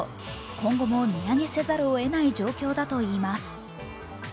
今後も値上げせざるをえない状況だといいます。